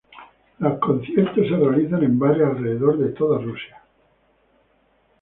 Los conciertos se realizaron en bares alrededor de todo Rusia.